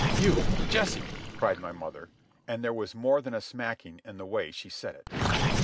"You!—Jesse!" cried my mother. And there was more than a smacking in the way she said it.